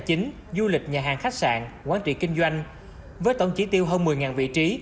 chính du lịch nhà hàng khách sạn quán trị kinh doanh với tổng chỉ tiêu hơn một mươi vị trí